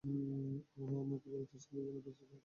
ওহ, আমাকে পরবর্তী সিনের জন্য প্রস্তুত হতে হবে।